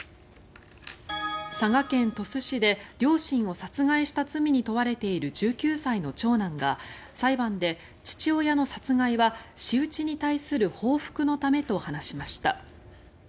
佐賀県鳥栖市で両親を殺害した罪に問われている１９歳の長男が、裁判で父親の殺害は仕打ちに対する報復のためと話しました。